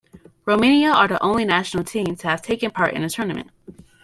Romania are the only national team to have taken part in the tournament.